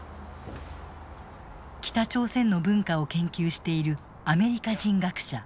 北朝鮮の文化を研究しているアメリカ人学者